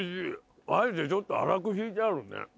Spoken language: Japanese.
あえてちょっと粗くひいてあるね